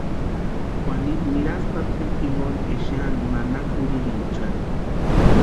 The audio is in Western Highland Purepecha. Juanitu nirasti taatempa jinkuni exeani manakurhirichani.